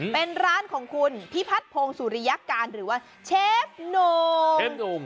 เป็นร้านของคุณที่พัดโพงสุริยการหรือว่าเชฟโน่ง